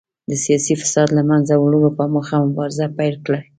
د سیاسي فساد له منځه وړلو په موخه مبارزه پیل کړې وه.